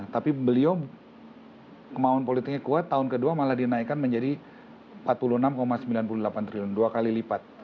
tapi beliau kemauan politiknya kuat tahun kedua malah dinaikkan menjadi empat puluh enam sembilan puluh delapan triliun dua kali lipat